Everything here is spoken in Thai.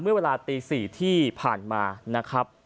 เมื่อเวลาตี๔ที่ผ่านมานะครับ